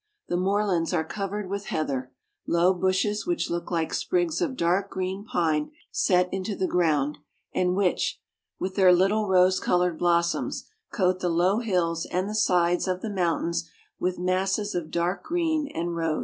The moorlands are covered with heather, — low bushes which look like sprigs of dark green pine set into the ground, and which, with their little rose colored blossoms, coat the low hills and the sides of the mountains with masses of dark green and rose.